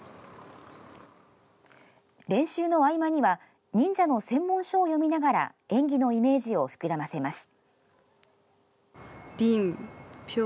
練習の合間には忍者の専門書を読みながら演技のイメージを膨らませます。